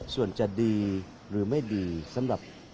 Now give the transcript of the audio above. ส่วนจะดีหรือไม่ดีสำหรับ